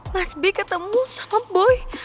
mas b ketemu sama boy